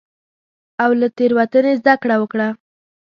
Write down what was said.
او له تېروتنې زدکړه وکړه.